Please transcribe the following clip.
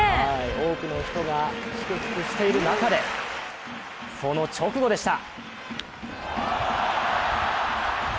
多くの人が祝福している中でその直後でした。